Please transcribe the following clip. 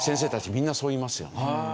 みんなそう言いますよ。